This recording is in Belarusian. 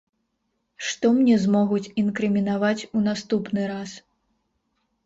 Што мне змогуць інкрымінаваць у наступны раз?